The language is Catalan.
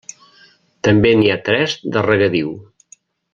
També n'hi ha tres de regadiu.